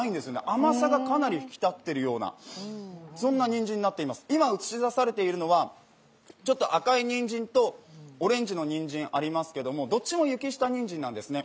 甘さがかなり引き立っているようなそんなにんじんになっています、今、映し出されているのは赤いにんじんとオレンジのにんじんありますけどどっちも雪下にんじんなんですね。